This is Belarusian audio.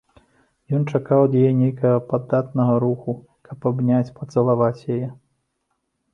Ён чакаў ад яе нейкага падатнага руху, каб абняць, пацалаваць яе.